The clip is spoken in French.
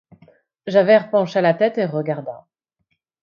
Javert pencha la tête et regarda.